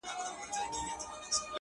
نور هم پرې سړی سپک ښکاري مه یې کوئ